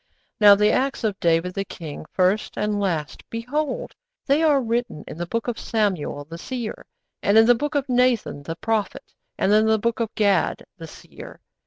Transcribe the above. '_Now the acts of David the king, first and last, behold, they are written in the book of Samuel the seer, and in the book of Nathan the prophet, and in the book of Gad the seer.